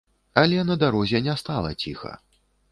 Але на дарозе не стала ціха.